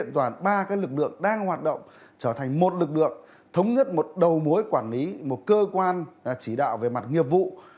trở thành một lực lượng thống nhất một đầu mối quản lý một cơ quan chỉ đạo về mặt nghiệp vụ